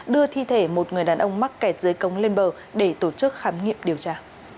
đưa thi thể một người đàn ông mắc kẹt dưới cống lên bờ để tổ chức khám nghiệm điều tra